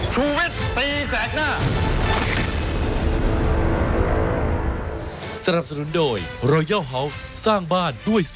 ชูเว็ดตีแสงหน้า